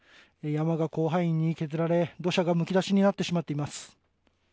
山が広範囲に削られ土砂がむき出しになってしまっています。